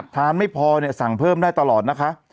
ไม่พอเนี่ยสั่งเพิ่มได้ตลอดนะคะ